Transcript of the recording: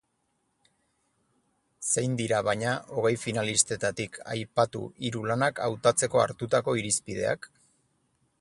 Zein dira, baina, hogei finalistetatik aipatu hiru lanak hautatzeko hartutako irizipideak?